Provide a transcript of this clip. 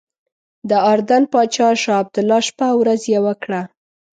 د اردن پاچا شاه عبدالله شپه او ورځ یوه کړه.